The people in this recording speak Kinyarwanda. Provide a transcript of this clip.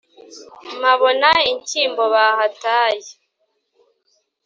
Mpabona inshyimbo bahataye